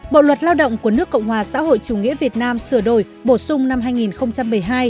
bộ luật lao động của nước cộng hòa xã hội chủ nghĩa việt nam sửa đổi bổ sung năm hai nghìn một mươi hai